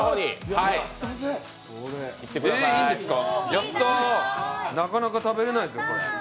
やったー、なかなか食べれないですよ、これ。